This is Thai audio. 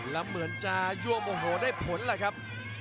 และเหมือนจะมโหได้ผลล่ะครับ